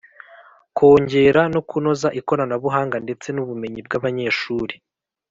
Kongera no kunoza ikoranabuhanga ndetse n ubumenyi bw’abanyeshuri